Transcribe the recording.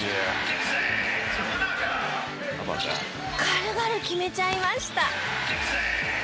軽々決めちゃいました。